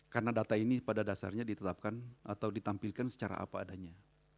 karena data ini pada dasarnya ditetapkan atau ditampilkan secara apa adanya